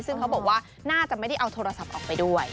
ซึ่งเขาบอกว่าน่าจะไม่ได้เอาโทรศัพท์ออกไปด้วย